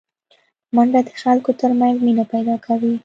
منډه د خلکو ترمنځ مینه پیداکوي